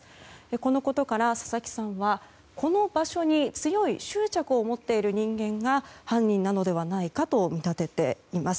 このことから佐々木さんはこの場所に強い執着を持っている人間が犯人なのではないかと見立てています。